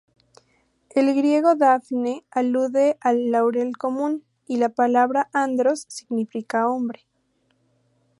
El griego "daphne" alude al laurel común, y la palabra "andros" significa hombre.